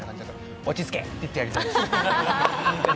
落ち着け！って言ってやりたいです。